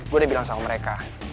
gue udah bilang sama mereka